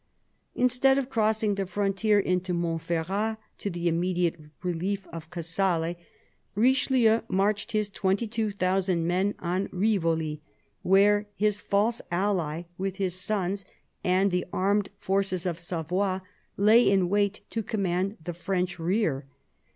Instead of crossing the frontier into Montferrat, to the immediate relief of Casale, Richelieu marched his 22,000 men on Rivoli, where his false ally, with his sons and the armed forces of Savoy, lay in wait to command the French rear.